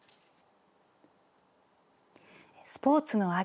スポーツの秋。